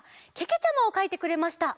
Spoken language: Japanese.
けけちゃまをかいてくれました。